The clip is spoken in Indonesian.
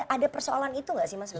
ada persoalan itu nggak sih mas budi